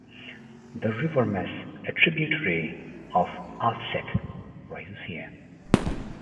The River Mess, a tributary of the Alzette, rises here.